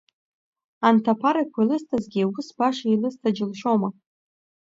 Анҭ аԥарақәа илысҭазгьы ус баша илысҭа џьылшьома?